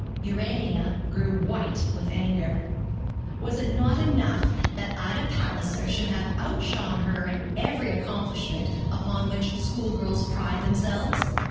Urania grew white with anger. Was it not enough that Ida Palliser should have outshone her in every accomplishment upon which school girls pride themselves?